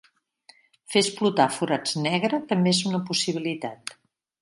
Fer explotar forats negre també és una possibilitat.